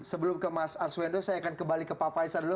sebelum ke mas arswendo saya akan kembali ke pak faisal dulu